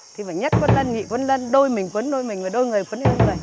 thì phải nhất cuốn lân nhị cuốn lân đôi mình cuốn đôi mình và đôi người cuốn đôi người